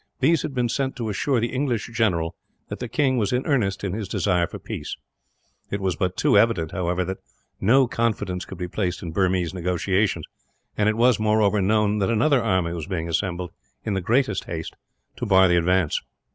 These had been sent to assure the English general that the king was in earnest in his desire for peace. It was but too evident, however, that no confidence could be placed in Burmese negotiations; and it was, moreover, known that another army was being assembled, in the greatest haste, to bar the advance.